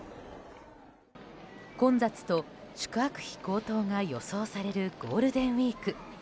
混雑と宿泊費高騰が予想されるゴールデンウィーク。